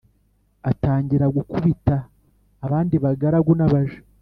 atangira gukubita abandi bagaragu n abaja